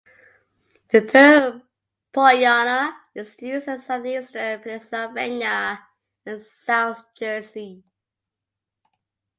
The term "Pollyanna" is used in Southeastern Pennsylvania and South Jersey.